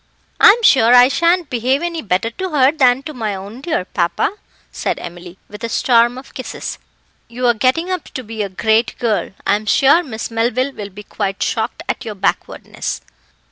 "I'm sure I shan't behave any better to her than to my own dear papa," said Emily, with a storm of kisses. "You're getting up to be a great girl. I'm sure Miss Melville will be quite shocked at your backwardness."